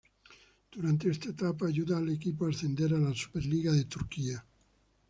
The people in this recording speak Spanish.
Durante esta etapa ayuda al equipo a ascender a la Superliga de Turquía.